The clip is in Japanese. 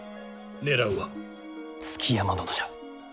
狙うは築山殿じゃ。